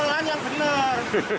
pertanyaan yang telan telan yang benar